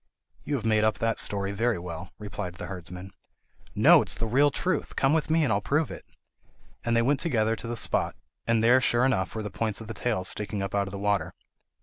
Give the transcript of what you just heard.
"You have made up that story very well," replied the herdsman. "No, it is the real truth; come with me and I'll prove it." And they went together to the spot, and there sure enough were the points of the tails sticking up out of the water.